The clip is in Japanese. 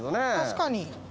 確かに。